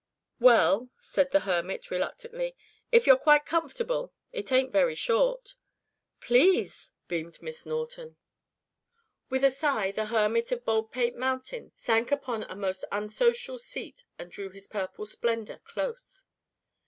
"Well," said the hermit reluctantly, "if you're quite comfortable it ain't very short." "Please," beamed Miss Norton. With a sigh the Hermit of Baldpate Mountain sank upon a most unsocial seat and drew his purple splendor close.